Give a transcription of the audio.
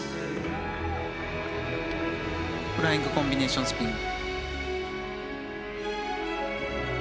フライングコンビネーションスピン。